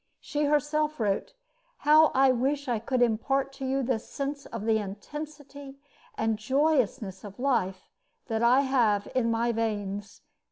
She herself wrote: How I wish I could impart to you this sense of the intensity and joyousness of life that I have in my veins.